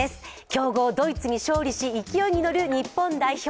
強豪ドイツに勝利し勢いに乗る日本代表。